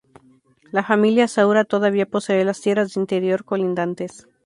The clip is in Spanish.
La familia Saura todavía posee las tierras de interior colindantes.